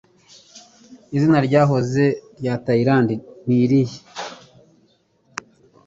Izina ryahoze rya Tayilande ni irihe?